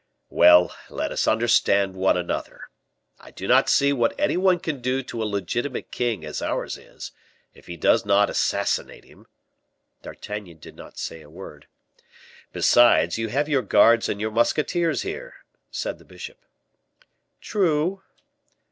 "Well, let us understand one another. I do not see what any one can do to a legitimate king as ours is, if he does not assassinate him." D'Artagnan did not say a word. "Besides, you have your guards and your musketeers here," said the bishop. "True."